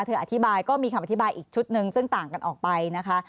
อธิบายก็มีคำอธิบายอีกชุดหนึ่งซึ่งต่างกันออกไปนะคะ